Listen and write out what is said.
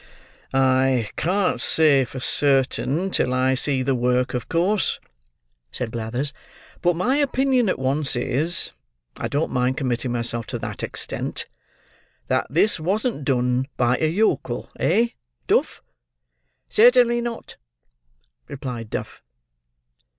"I can't say, for certain, till I see the work, of course," said Blathers; "but my opinion at once is,—I don't mind committing myself to that extent,—that this wasn't done by a yokel; eh, Duff?" "Certainly not," replied Duff.